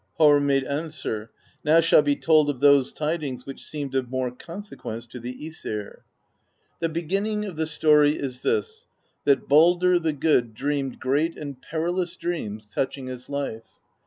Harr made an swer: "Now shall be told of those tidings which seemed of more consequence to the /Esir. The beginning of the THE BEGUILING OF GYLFI 71 story is this, that Baldr the Good dreamed great and peril ous dreams touching his life.